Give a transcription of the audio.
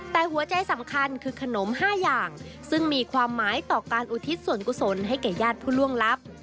แต่หัวใจสำคัญคือขนม๕อย่างซึ่งมีความหมายต่อการอุทิศส่วนกุศลให้แก่ญาติผู้ล่วงลับ